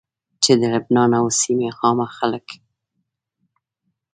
چې د لبنان او سيمي عامه خلک